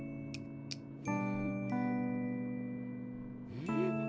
うん？